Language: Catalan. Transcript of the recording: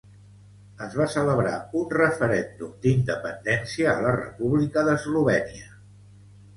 Es va celebrar un referèndum d'independència a la República d'Eslovènia